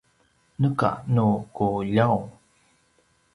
neka nu ku ljaung